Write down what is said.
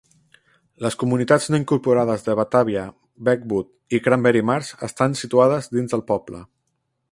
Les comunitats no incorporades de Batavia, Beechwood i Cranberry Marsh estan situades dins el poble.